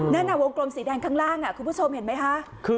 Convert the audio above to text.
นั่นวงกลมสีแดงข้างล่างคุณผู้ชมเห็นไหมคะ